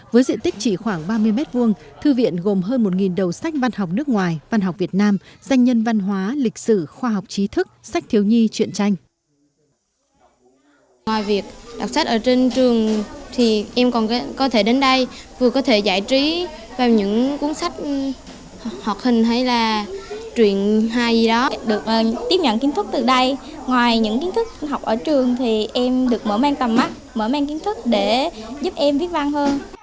với diện tích chỉ khoảng ba mươi m hai thư viện gồm hơn một đầu sách văn học nước ngoài văn học việt nam danh nhân văn hóa lịch sử khoa học trí thức sách thiếu nhi truyện tranh